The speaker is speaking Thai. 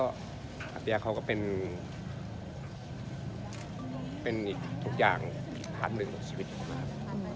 โอเคก็อาเตียเขาก็เป็นเป็นอีกทุกอย่างอีกพัฒน์หนึ่งของชีวิตของมันครับ